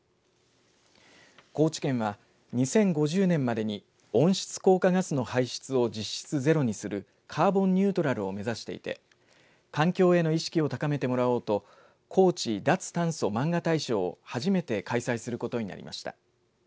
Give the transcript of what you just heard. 高知県は２０５０年までに温室効果ガスの排出を実質ゼロにするカーボンニュートラルを目指していて環境への意識を高めてもらおうとこうち脱炭素まんが大賞を初めて開催することになりました。